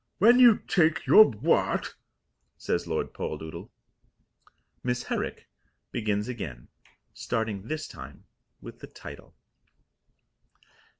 "When you take your what!" says Lord Poldoodle. Miss Herrick begins again, starting this time with the title.